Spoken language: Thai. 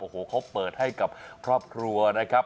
โอ้โหเขาเปิดให้กับครอบครัวนะครับ